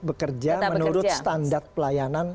bekerja menurut standar pelayanan